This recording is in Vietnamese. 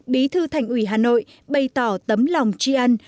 bí thư thành ủy hà nội bày tỏ tấm lòng tri ân